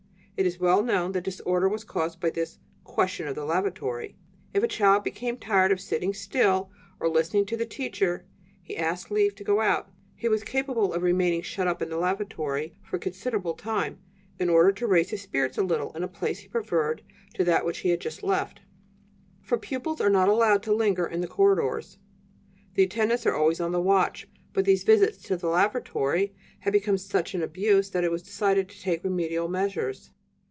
It is well known what disorder was caused by this 'question of the lavatory.' If a child became tired of sitting still or listening to the teacher, he asked leave to go out: he was capable of remaining shut up in the lavatory for a considerable time, in order to raise his spirits a little in a place he preferred to that he had just left, for pupils are not allowed to linger in the corridors; the attendants are always on the watch. But these visits to the lavatory had become such an abuse that it was decided to take remedial measures.